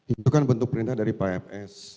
itu kan bentuk perintah dari pfs